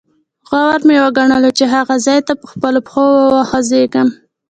غوره مې وګڼله چې هغه ځاې ته په خپلو پښو وخوځېږم.